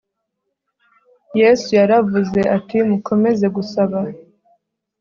yesu yaravuze ati mukomeze gusaba